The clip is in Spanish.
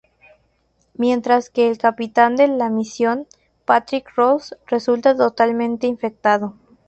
Mientras que el capitán de la misión, Patrick Ross, resulta totalmente infectado.